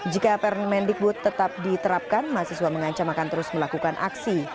jika permendikbud tetap diterapkan mahasiswa mengancam akan terus melakukan aksi